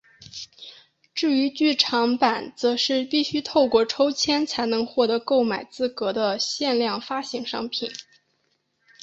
至于剧场版则是必须透过抽签才能获得购买资格的限量发行商品。